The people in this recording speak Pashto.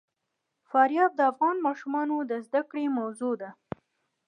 فاریاب د افغان ماشومانو د زده کړې موضوع ده.